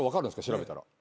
調べたら。